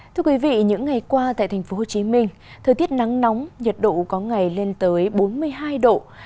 thưa quý vị những ngày qua tại tp hcm thời tiết nắng nóng nhiệt độ có ngày lên tới bốn mươi hai độ